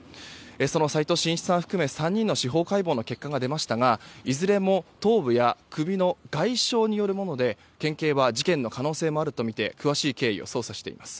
その齋藤真一さん含め３人の司法解剖の結果が出ましたがいずれも頭部や首の外傷によるもので県警は事件の可能性もあるとみて詳しい経緯を捜査しています。